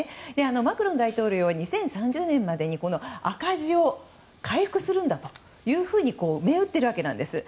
マクロン大統領は２０３０年までに赤字を回復するんだと銘打っているわけなんです。